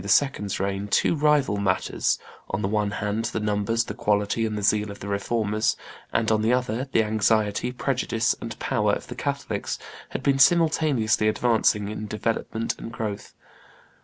's reign, two rival matters, on the one hand the numbers, the quality, and the zeal of the Reformers, and on the other, the anxiety, prejudice, and power of the Catholics, had been simultaneously advancing in development and growth.